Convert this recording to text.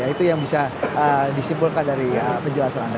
itu yang bisa disimpulkan dari penjelasan anda